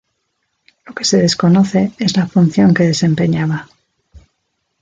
Lo que se desconoce es la función que desempeñaba.